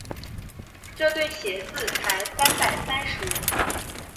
这对鞋子才三百三十。